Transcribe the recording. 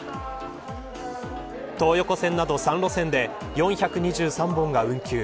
東横線など３路線で４２３本が運休。